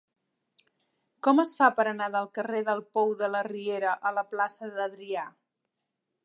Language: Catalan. Com es fa per anar del carrer del Pou de la Riera a la plaça d'Adrià?